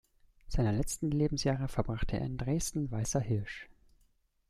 Seine letzten Lebensjahre verbrachte er in Dresden-Weißer Hirsch.